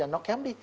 nó kém đi